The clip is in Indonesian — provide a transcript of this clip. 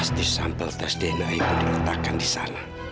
tes sampel tes dna itu diletakkan di sana